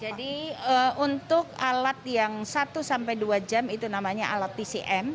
jadi untuk alat yang satu dua jam itu namanya alat tcm